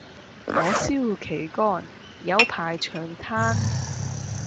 火燒旗杆有排長炭